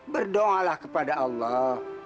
berdo'alah kepada allah